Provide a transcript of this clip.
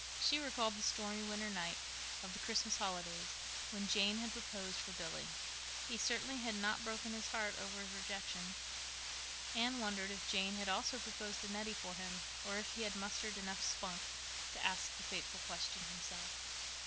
She recalled the stormy winter night of the Christmas holidays when Jane had proposed for Billy. He certainly had not broken his heart over his rejection. Anne wondered if Jane had also proposed to Nettie for him, or if he had mustered enough spunk to ask the fateful question himself.